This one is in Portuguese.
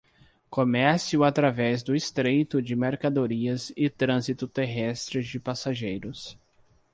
Comércio através do Estreito de mercadorias e trânsito terrestre de passageiros